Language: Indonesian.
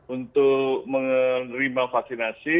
untuk menerima vaksinasi